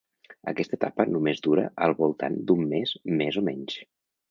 Aquesta etapa només dura al voltant d'un mes més o menys.